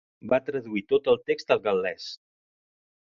Va traduir tot el text al gal·lès.